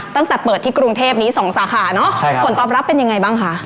ตั้งแต่เปิดที่กรุงเทพนี้สองสาขาเนอะผลตอบรับเป็นยังไงบ้างคะ